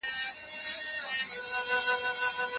د الله اراده باید رد نه سي.